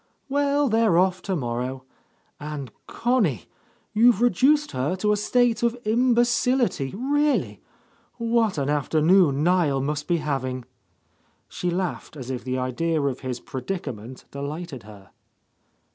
"Well, they're off tomorrow. And Connie I You've reduced her to a state of imbecility, really ! What an afternoon Niel must be having !" She laughed as if the idea of his pre dicament delighted her.